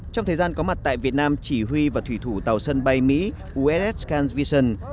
trong thời gian có mặt tại việt nam chỉ huy và thủy thủ tàu sân bay mỹ uss can vision